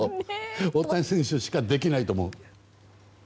大谷選手しかできないと思う。